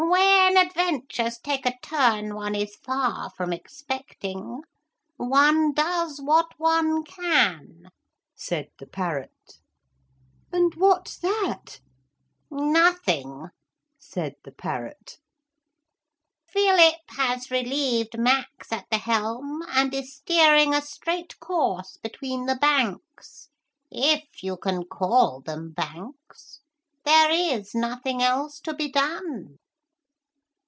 'When adventures take a turn one is far from expecting, one does what one can,' said the parrot. 'And what's that?' 'Nothing,' said the parrot. 'Philip has relieved Max at the helm and is steering a straight course between the banks if you can call them banks. There is nothing else to be done.'